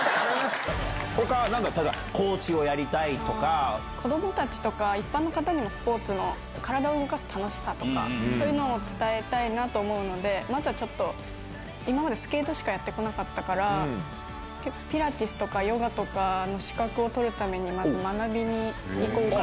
ほか、なんか例えば、コーチ子どもたちとか、一般の方にもスポーツの、体を動かす楽しさとか、そういうのを伝えたいなと思うので、まずはちょっと、今までスケートしかやってこなかったから、ピラティスとかヨガとかの資格を取るために、そうなんだ。